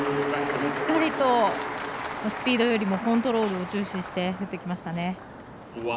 しっかりとスピードよりもコントロールを重視して打ってきましたね。